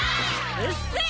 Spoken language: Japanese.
うっせぇ！